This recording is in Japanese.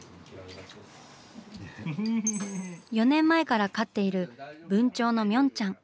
４年前から飼っている文鳥のミョンちゃん。